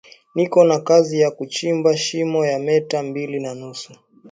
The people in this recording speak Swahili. Niko na kazi ya kuchimba shimo ya meta mbili na nusu